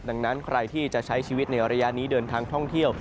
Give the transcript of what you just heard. ดังนั้นใครที่จะใช้ชีวิตในระยะนี้เดินทางท่องเที่ยว